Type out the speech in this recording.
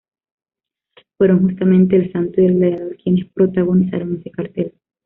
Fueron justamente El Santo y El Gladiador quienes protagonizaron ese cartel.